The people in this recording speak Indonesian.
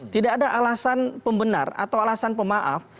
tidak ada alasan pembenar atau alasan pemaaf